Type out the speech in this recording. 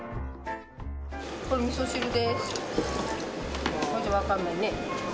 これ味噌汁です。